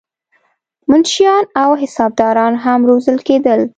منشیان او حسابداران هم روزل کېدل.